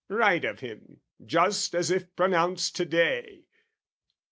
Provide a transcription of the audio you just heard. Right of Him, just as if pronounced to day!